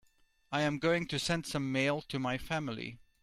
I am going to send some mail to my family.